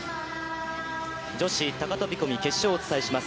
女子高飛び込み決勝をお伝えします。